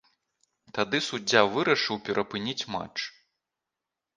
Тады суддзя вырашыў перапыніць матч.